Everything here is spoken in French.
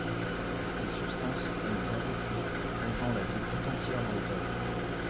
Ces substances prennent bientôt feu, plongeant la ville tout entière dans le chaos.